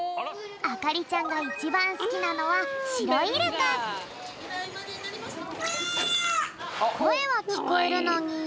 あかりちゃんがいちばんすきなのはこえはきこえるのに。